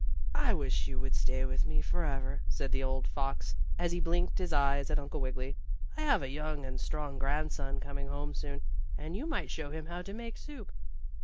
"I wish you would stay with me forever," said the old fox, as he blinked his eyes at Uncle Wiggily. "I have a young and strong grandson coming home soon, and you might show him how to make soup."